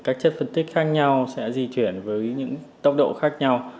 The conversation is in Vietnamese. các chất phân tích khác nhau sẽ di chuyển với những tốc độ khác nhau